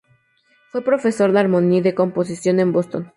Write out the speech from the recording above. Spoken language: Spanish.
Fue profesor de armonía y de composición en Boston.